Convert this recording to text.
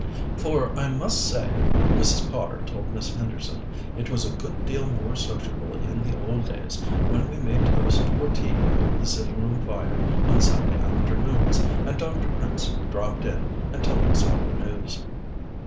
"For I must say," Mrs. Potter told Miss Henderson, "it was a good deal more sociable in the old days, when we made toast for tea over the sitting room fire on Sunday afternoons, and Dr. Prince dropped in and told us all the news."